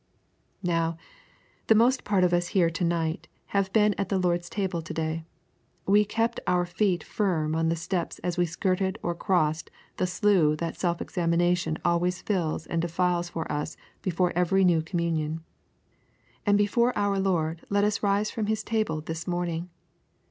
Now, the most part of us here to night have been at the Lord's Table to day. We kept our feet firm on the steps as we skirted or crossed the slough that self examination always fills and defiles for us before every new communion. And before our Lord let us rise from His Table this morning.